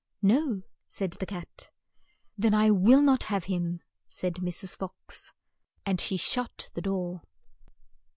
'' "No," said the cat. "Then I will not have him," said Mrs. Fox, and she shut the door.